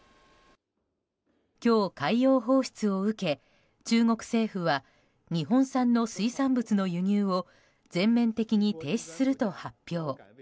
今日、海洋放出を受け中国政府は日本産の水産物の輸入を全面的に停止すると発表。